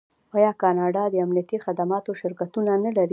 آیا کاناډا د امنیتي خدماتو شرکتونه نلري؟